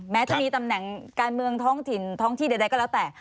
แม้จะมีตำแหน่งการเมืองท้องถิ่นท้องที่ใดก็แล้วแต่